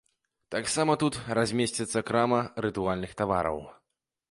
Таксама тут размесціцца крама рытуальных тавараў.